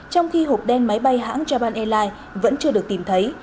trong khi hộp đen máy bay hãng japan airlines vẫn chưa được tìm thấy